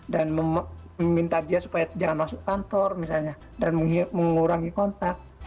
dan meminta dia supaya jangan masuk kantor misalnya dan mengurangi kontak